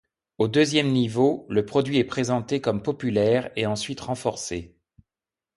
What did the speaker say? Au deuxième niveau, le produit est présenté comme populaire, et ensuite renforcé.